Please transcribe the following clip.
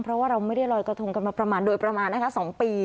เพราะว่าเราไม่ได้ลอยกระทงกันมาประมาณโดยประมาณนะคะ๒ปี